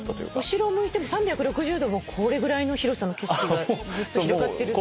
後ろを向いても３６０度これぐらいの広さの景色がずっと広がってるって感じ？